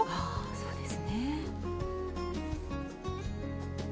そうですね。